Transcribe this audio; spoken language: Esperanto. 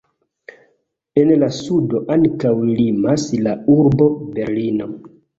En la sudo ankaŭ limas la urbo Berlino.